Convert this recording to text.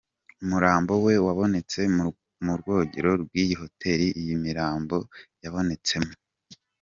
Umurambo we wabonetse mu rwogero rw’iyi hotel iyi mirambo yabotsemo.